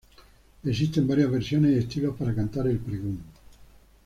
Existen varias versiones y estilos para cantar el pregón.